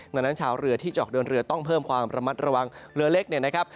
เมื่อนั้นเช้าเหลือที่จะออกเทลโฬยเรือต้องเพิ่มความประมัติระวังเหลือเล็ก